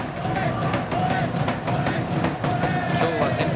今日は先発